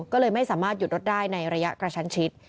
ก็เลยไม่สามารถหยุดรถได้ในระยะกระชั้นชิด